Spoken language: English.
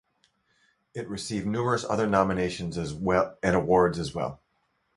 It received numerous other nominations and awards as well.